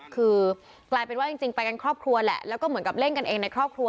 คือกลายเป็นว่าจริงไปกันครอบครัวแหละแล้วก็เหมือนกับเล่นกันเองในครอบครัว